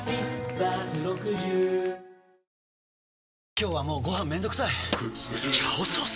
今日はもうご飯めんどくさい「炒ソース」！？